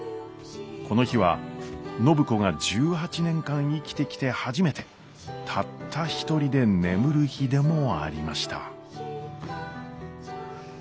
この日は暢子が１８年間生きてきて初めてたった一人で眠る日でもありました。